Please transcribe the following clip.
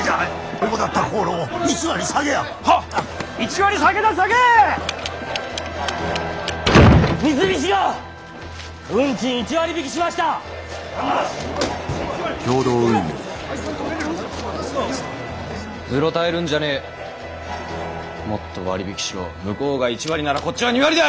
向こうが１割ならこっちは２割だ！